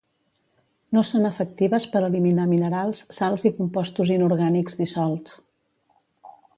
No són efectives per eliminar minerals, sals i compostos inorgànics dissolts.